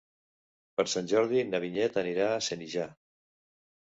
Per Sant Jordi na Vinyet anirà a Senija.